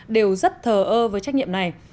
đều rất thờ ơ với trách nhiệm này